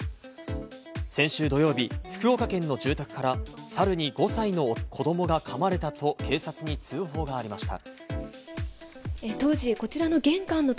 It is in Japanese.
先週土曜日、福岡県の住宅からサルに５歳の子どもが噛まれたと警察に通報がありました。